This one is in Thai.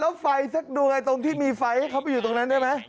เออแล้วไฟดูไงตรงที่มีไฟเขาไปอยู่ตรงนั้นได้ไหม